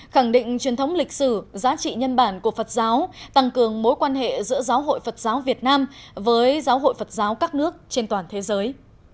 khẳng định truyền thống lịch sử giá trị nhân bản của phật giáo tăng cường mối quan hệ giữa giáo hội phật giáo việt nam với giáo hội phật giáo các nước trên toàn thế giới